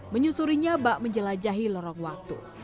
menyusuri nyabak menjelajahi lorong waktu